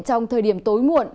trong thời điểm tối muộn